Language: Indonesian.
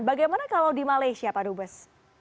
bagaimana kalau di malaysia pak dubes